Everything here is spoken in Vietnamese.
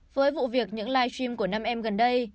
với vụ việc những live stream của năm em gần đây